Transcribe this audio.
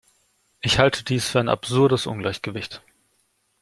Ich halte dies für ein absurdes Ungleichgewicht.